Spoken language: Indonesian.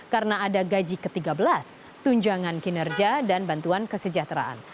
karena ada gaji ke tiga belas tunjangan kinerja dan bantuan kesejahteraan